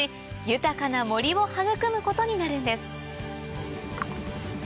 豊かな森を育むことになるんです